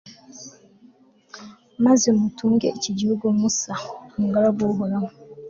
maze mutunge iki gihugu musa, umugaragu w'uhoraho